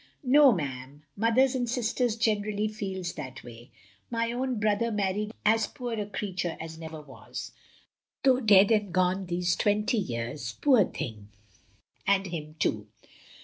" "No, ma'am, mothers and sisters generally feels that way. My own brother married as poor a creature as never was — ^though dead and gone these twenty years, poor thing, and him too.